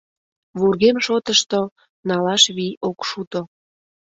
Вургем шотышто — налаш вий ок шуто.